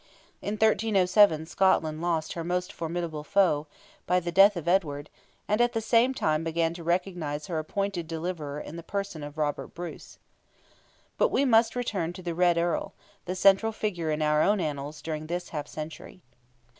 In 1307 Scotland lost her most formidable foe, by the death of Edward, and at the same time began to recognize her appointed deliverer in the person of Robert Bruce. But we must return to "the Red Earl," the central figure in our own annals during this half century.